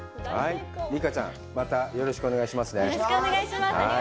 六花ちゃん、またよろしくお願いしますね。